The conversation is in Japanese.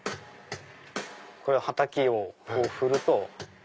これははたきを振ると。